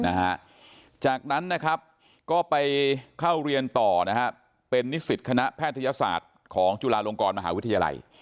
นะฮะจากนั้นนะครับก็ไปเข้าเรียนต่อนะฮะเป็นนิสิตคณะแพทยศาสตร์ของจุฬาลงกรมหาวิทยาลัย